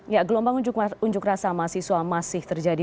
ya gelombang unjuk rasa mahasiswa masih terjadi